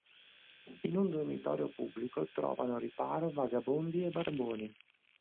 In un dormitorio pubblico trovano riparo vagabondi e barboni.